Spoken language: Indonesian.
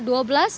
wah dua belas jam